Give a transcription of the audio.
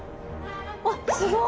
わっすごい！